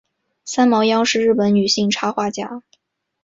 三毛央是日本女性插画家。